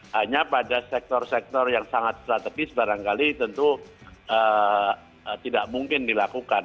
hanya pada sektor sektor yang sangat strategis barangkali tentu tidak mungkin dilakukan